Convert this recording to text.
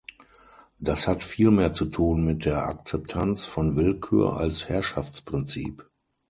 Das hat vielmehr zu tun mit der Akzeptanz von Willkür als Herrschaftsprinzip.